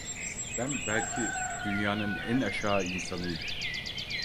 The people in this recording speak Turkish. Ben belki dünyanın en aşağı insanıyım…